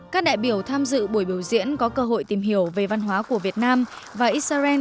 các đại biểu tham dự buổi biểu diễn có cơ hội tìm hiểu về văn hóa của việt nam và israel